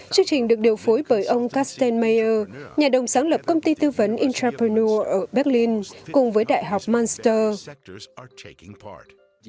chương trình được điều phối bởi ông karsten mayer nhà đồng sáng lập công ty tư vấn entrepreneur ở berlin cùng với đại học munster